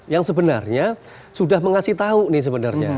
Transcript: yang sebenarnya sudah mengasih tahu nih sebenarnya